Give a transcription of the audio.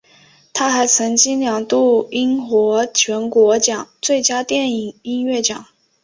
他还曾经两度荣膺金球奖最佳电影音乐奖。